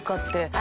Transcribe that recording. あ！